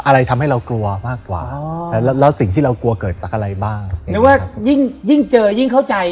แล้วสิ่งที่เรากัวเกิดจากอะไรบ้างจะยิ่งเจอยิ่งเข้าใจ